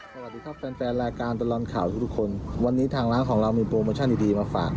สวัสดีครับแฟนแฟนรายการตลอดข่าวทุกทุกคนวันนี้ทางร้านของเรามีโปรโมชั่นดีดีมาฝาก